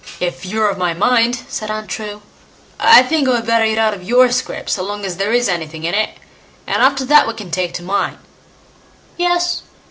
"If you're of my mind", said Untrue, "I think we had better eat out of your scrip, so long as there is anything in it, and after that we can take to mine." Yes!